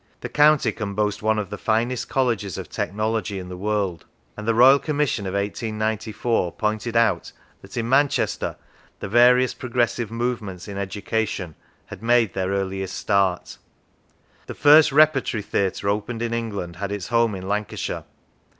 The county can boast one of the finest Colleges of Technology in the world; and the Royal Commission of 1894 pointed out that " in Manchester the various progressive move ments in education had made their earliest start." The first Repertory Theatre opened in England had its home in Lancashire.